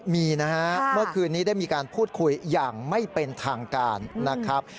มีนะฮะเมื่อคืนนี้ได้มีการพูดคุยอย่างไม่เป็นทางการนะครับ